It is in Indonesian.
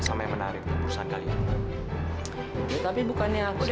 semenjak mana perusahaan besar itu mau mampir pada perusahaan kecil